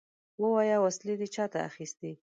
ووايه! وسلې دې چاته اخيستې؟